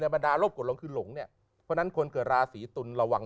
บรรดารบกดลงคือหลงเนี่ยเพราะฉะนั้นคนเกิดราศีตุลระวัง